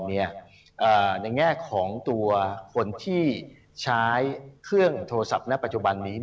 ในแง่ของตัวคนที่ใช้เครื่องโทรศัพท์ณปัจจุบันนี้